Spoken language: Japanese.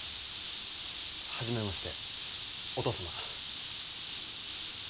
初めましてお父様。